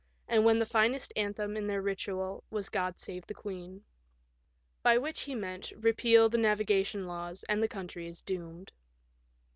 ' and when the finest anthem in their ritual was * God save the Queen !'" By which he meant, repeal the navigation laws and the country is doomed.